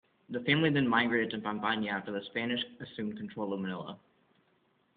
The family then migrated to Pampanga after the Spanish assumed control of Manila.